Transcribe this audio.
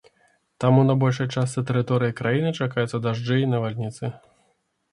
Таму на большай частцы тэрыторыі краіны чакаюцца дажджы і навальніцы.